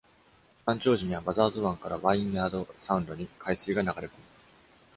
満潮時には、バザーズ湾からバインヤードサウンドに海水が流れ込む。